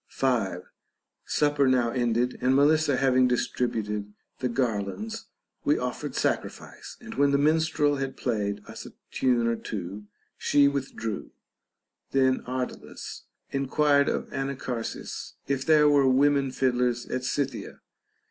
5. Supper now ended, and Melissa having distributed the garlands, we offered sacrifice ; and when the minstrel had played us a tune or two, she withdrew. Then Ardalus enquired of Anacharsis, if there were women fiddlers at Scythia.